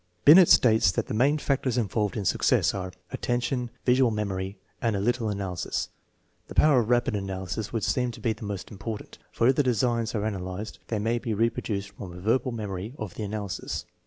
Binet states that the main factors involved in success are " attention, visual memory, and a little analy sis. 5 * The power of rapid analysis would seem to be the most important, for if the designs are analyzed they may be reproduced from a verbal memory of the analysis.